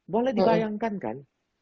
boleh dibayangkan kan